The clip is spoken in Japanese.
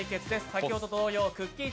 先ほど同様くっきー！